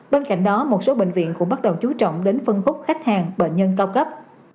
bên cạnh đó một số bệnh viện cũng bắt đầu chú trọng đến phân khúc khách hàng bệnh nhân cao cấp